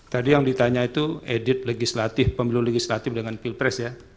tadi yang ditanya itu edit legislatif pemilu legislatif dengan pilpres ya